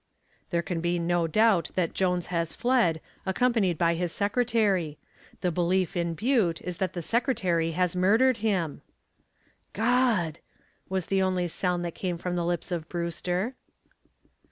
"There can be no doubt that Jones has fled, accompanied by his secretary. The belief in Butte is that the secretary has murdered him." "God!" was the only sound that came from the lips of Brewster.